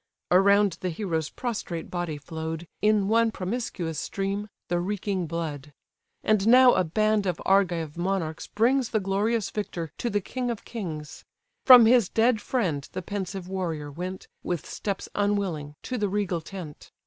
Around the hero's prostrate body flow'd, In one promiscuous stream, the reeking blood. And now a band of Argive monarchs brings The glorious victor to the king of kings. From his dead friend the pensive warrior went, With steps unwilling, to the regal tent.